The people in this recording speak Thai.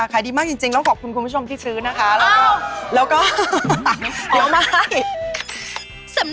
ขายดีมากยังจริงแล้วขอบคุณคุณผู้ชมที่ซื้อนะคะ